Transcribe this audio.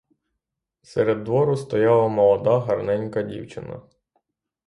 Серед двору стояла молода гарненька дівчина.